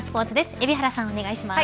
海老原さん、お願いします。